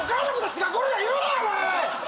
滋賀ゴリラ言うなお前！